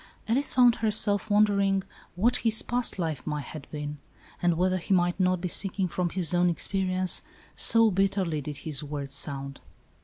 Alice found herself wondering what his past life might have been, and whether he might not be speaking from his own experience, so bitterly did his words sound.